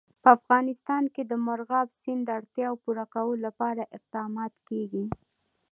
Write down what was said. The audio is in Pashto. په افغانستان کې د مورغاب سیند د اړتیاوو پوره کولو لپاره اقدامات کېږي.